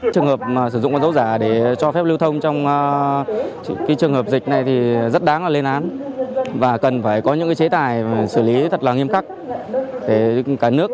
trường hợp sử dụng con dấu giả để cho phép lưu thông trong trường hợp dịch này thì rất đáng lên án và cần phải có những chế tài xử lý thật là nghiêm khắc